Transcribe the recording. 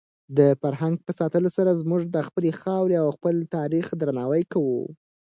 د فرهنګ په ساتلو سره موږ د خپلې خاورې او خپل تاریخ درناوی کوو.